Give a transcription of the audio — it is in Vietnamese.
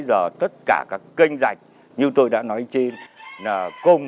người ta sáng chế danh nhiều loại thuyền mới